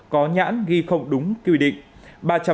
có nhãn ghi không đúng quy định